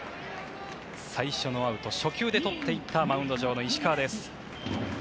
最初のアウト初球でとっていったマウンド上の石川です。